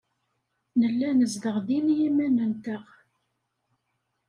Nella nezdeɣ din i yiman-nteɣ.